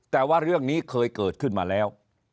แต่ว่าเรื่องนี้เคยเกิดขึ้นมาแล้ว